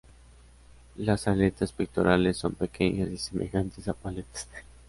Las aletas pectorales son pequeñas y semejantes a paletas.